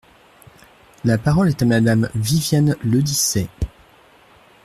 La parole est à Madame Viviane Le Dissez.